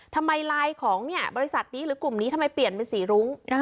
ทำไมไลน์ของบริษัทนี้หรือกลุ่มนี้ทำไมเปลี่ยนเป็นสีรุ้ง